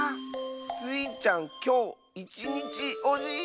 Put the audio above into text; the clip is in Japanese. スイちゃんきょういちにちおじいさんなんだ！